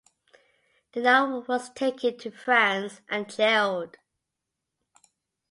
Denard was taken to France and jailed.